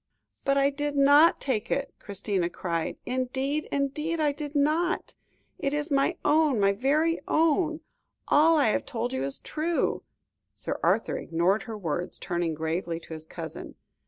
"But I did not take it," Christina cried; "indeed, indeed, I did not. It is my own, my very own; all I have told you is true." Sir Arthur ignored her words, turning gravely to his cousin.